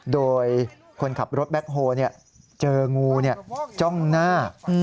โดยคนขับรถแบ็คโฮเจองูจ้องหน้า